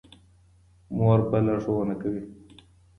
مور به لارښوونه کوي.